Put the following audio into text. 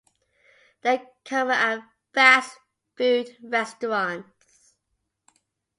They are common at fast food restaurants.